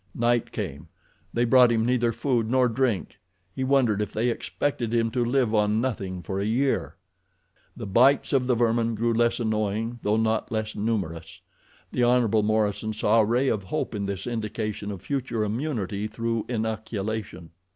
Night came. They brought him neither food nor drink. He wondered if they expected him to live on nothing for a year. The bites of the vermin grew less annoying though not less numerous. The Hon. Morison saw a ray of hope in this indication of future immunity through inoculation.